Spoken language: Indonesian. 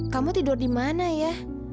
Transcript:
kamu tidur di mana ya